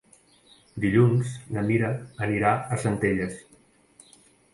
Dilluns na Mira anirà a Centelles.